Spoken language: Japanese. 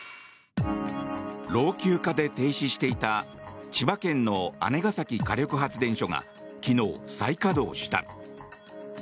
老朽化で停止していた千葉県の姉崎火力発電所が昨日、再稼働した。